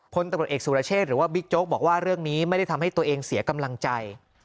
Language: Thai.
พลตำรวจเอกสุรเชษหรือว่าบิ๊กโจ๊กบอกว่าเรื่องนี้ไม่ได้ทำให้ตัวเองเสียกำลังใจ